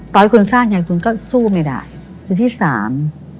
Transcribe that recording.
ให้คุณสร้างไงคุณก็สู้ไม่ได้สิ่งที่สาม